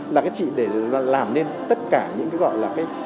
là cái chị để làm nên tất cả những cái gọi là cái